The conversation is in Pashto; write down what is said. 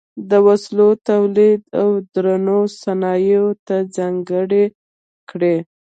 د وسلو تولید او درنو صنایعو ته ځانګړې کړې.